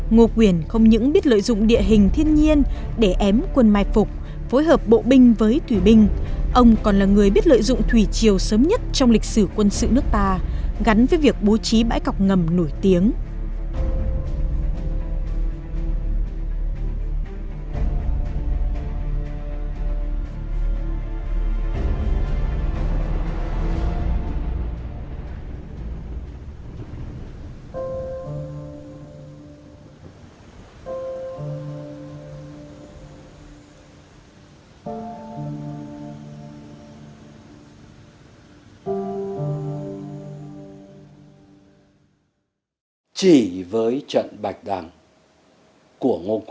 ngô quyền không những biết lợi dụng địa hình thiên nhiên để ém quân mai phục phối hợp bộ binh với thủy binh ông còn là người biết lợi dụng thủy chiều sớm nhất trong lịch sử quân sự nước ta gắn với việc bố trí bãi cọc ngầm nổi tiếng